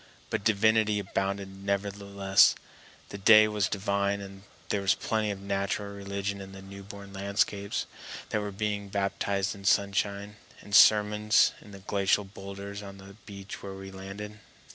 But divinity abounded nevertheless; the day was divine and there was plenty of natural religion in the newborn landscapes that were being baptized in sunshine, and sermons in the glacial boulders on the beach where we landed.